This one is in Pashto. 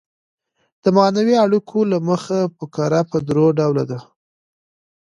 د معنوي اړیکو له مخه فقره پر درې ډوله ده.